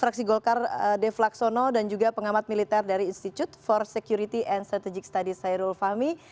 fraksi golkar dev laksono dan juga pengamat militer dari institute for security and strategic studies hairul fahmi